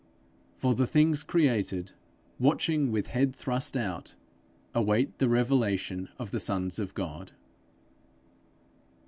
'For the things created, watching with head thrust out, await the revelation of the sons of God.'